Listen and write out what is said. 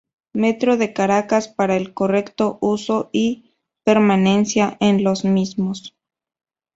Metro de Caracas para el correcto uso y permanencia en los mismos.